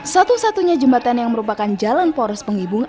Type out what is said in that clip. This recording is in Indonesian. satu satunya jembatan yang merupakan jalan poros penghibung